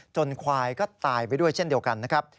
ควายก็ตายไปด้วยเช่นเดียวกันนะครับ